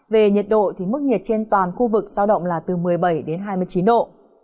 về nhiệt độ thì mức nhiệt trên toàn khu vực sao động là từ một mươi bảy đến hai mươi chín độ